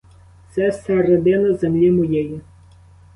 Це середина землі моєї.